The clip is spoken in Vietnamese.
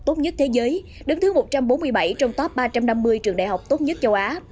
tốt nhất thế giới đứng thứ một trăm bốn mươi bảy trong top ba trăm năm mươi trường đại học tốt nhất châu á